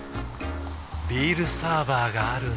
ビールサーバーがある夏。